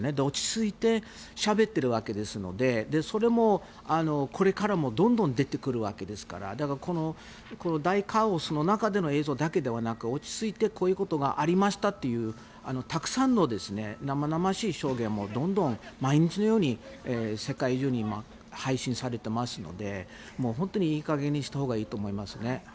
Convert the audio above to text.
落ち着いてしゃべってるわけですのでそれもこれからもどんどん出てくるわけですからだから、大カオスの中での映像だけではなく落ち着いてこういうことがありましたというたくさんの生々しい証言もどんどん毎日のように世界中に配信されていますので本当にいい加減にしたほうがいいと思いますね。